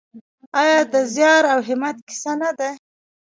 آیا د زیار او همت کیسه نه ده؟